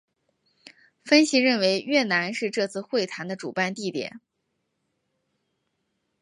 分析认为越南是这次会谈的主办地点。